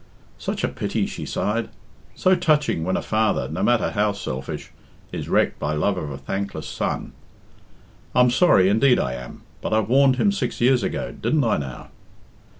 "Such a pity," she sighed. "So touching when a father no matter how selfish is wrecked by love of a thankless son. I'm sorry, indeed I am. But I warned him six years ago. Didn't I, now?"